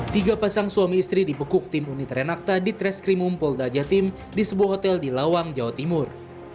tiga pasang suami istri dibekuk tim unit renakta di treskrimum polda jatim di sebuah hotel di lawang jawa timur